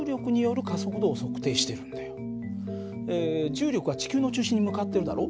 重力は地球の中心に向かってるだろう？